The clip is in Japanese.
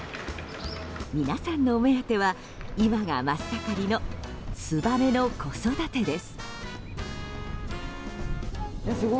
皆さんのお目当ては今が真っ盛りのツバメの子育てです。